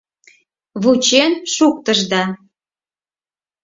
— Вучен шуктышда!